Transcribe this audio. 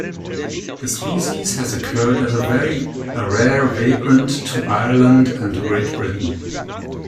This species has occurred as a very rare vagrant to Ireland and Great Britain.